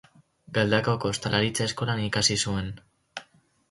Galdakaoko Ostalaritza Eskolan ikasi zuen.